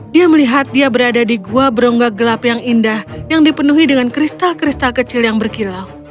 dia melihat dia berada di gua berongga gelap yang indah yang dipenuhi dengan kristal kristal kecil yang berkilau